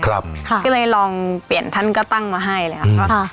ครับค่ะที่เลยลองเปลี่ยนท่านก็ตั้งมาให้เลยค่ะอืมค่ะ